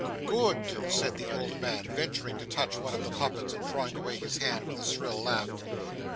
'Good!' said the old man, venturing to touch one of the puppets, and drawing away his hand with a shrill laugh.